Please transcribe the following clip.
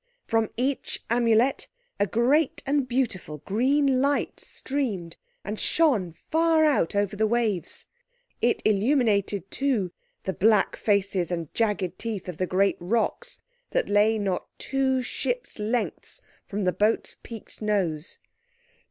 From each Amulet a great and beautiful green light streamed and shone far out over the waves. It illuminated, too, the black faces and jagged teeth of the great rocks that lay not two ships' lengths from the boat's peaked nose.